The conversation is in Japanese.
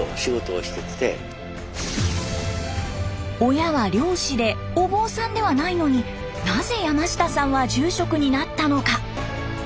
親は漁師でお坊さんではないのになぜ山下さんは住職になったのか？